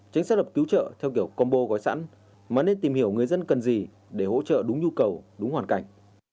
tránh xác lập cứu trợ theo kiểu combo gói sẵn mà nên tìm hiểu người dân cần gì để hỗ trợ đúng nhu cầu đúng hoàn cảnh